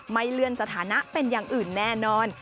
ไม่เลื่อนสถานะเป็นอย่างอื่นแน่นอน